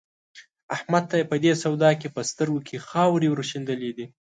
احمد ته يې په دې سودا کې په سترګو کې خاورې ور شيندلې دي.